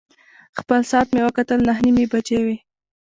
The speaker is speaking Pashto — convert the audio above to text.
خپل ساعت مې وکتل، نهه نیمې بجې وې.